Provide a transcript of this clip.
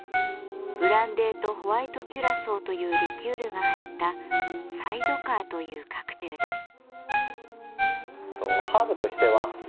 ブランデーとホワイトキュラソーというリキュールが入った「サイドカー」というカクテルです。